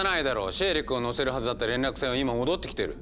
シエリ君を乗せるはずだった連絡船は今戻ってきてる。